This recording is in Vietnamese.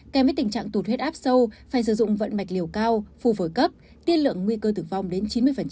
kèm với tình trạng tụt huyết áp sâu phải sử dụng vận mạch liều cao phù phổi cấp tiết lượng nguy cơ tử vong đến chín mươi